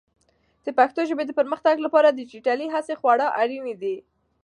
د پښتو ژبې د پرمختګ لپاره ډیجیټلي هڅې خورا اړینې دي.